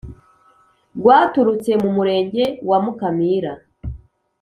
rwaturutse ku Murenge wamukamira